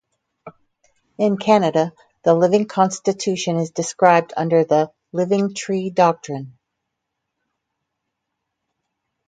In Canada, the living constitution is described under the "living tree doctrine".